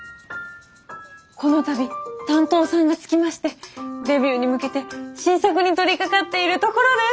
この度担当さんが付きましてデビューに向けて新作に取りかかっているところです。